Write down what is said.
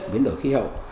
về biến đổi khí hậu